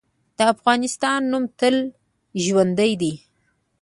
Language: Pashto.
د افغانستان نوم تل ژوندی دی.